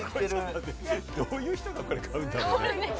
どういう人が買うんだろう？